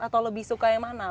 atau lebih suka yang mana